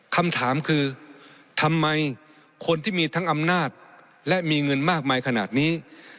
คำถามคือทำไมคนที่มีทั้งอำนาจและมีเงินมากมายขนาดนี้